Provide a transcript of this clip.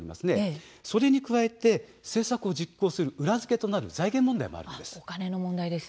それに加えて政策を実行する裏付けとなる財源問題があります。